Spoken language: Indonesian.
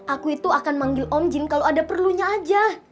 aku itu akan manggil om jin kalau ada perlunya aja